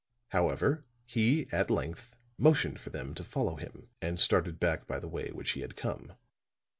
However, he at length motioned for them to follow him, and started back by the way which he had come.